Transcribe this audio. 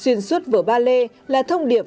xuyên suốt vở ballet là thông điệp